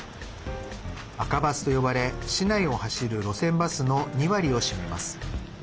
赤バスと呼ばれ、市内を走る路線バスの２割を占めます。